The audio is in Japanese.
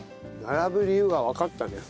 並ぶ理由がわかったね。